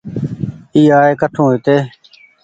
اي آئي ڪٺون هيتي ۔